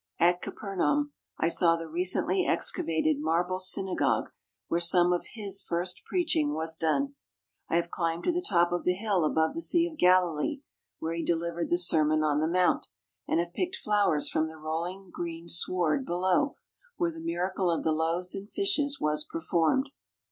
At Capernaum I saw the recently excavated marble synagogue where some of His first preaching was done. I have climbed to the top of the hill above the Sea of Galilee, where He delivered the Sermon on the Mount, and have picked flowers from the rolling green sward below, where the miracle of the loaves and fishes was performed.